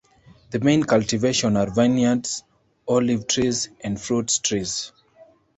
The main cultivation are vineyards, olive trees and fruits trees.